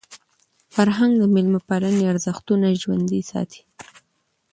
فرهنګ د میلمه پالني ارزښتونه ژوندۍ ساتي.